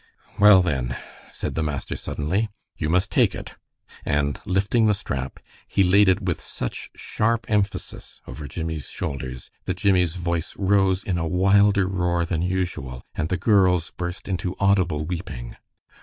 "Well, then," said the master, suddenly, "you must take it," and lifting the strap, he laid it with such sharp emphasis over Jimmie's shoulders that Jimmie's voice rose in a wilder roar than usual, and the girls burst into audible weeping.